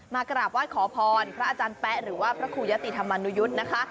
กราบไหว้ขอพรพระอาจารย์แป๊ะหรือว่าพระครูยะติธรรมนุยุทธ์นะคะ